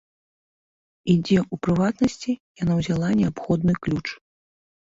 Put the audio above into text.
І дзе, у прыватнасці, яна ўзяла неабходны ключ.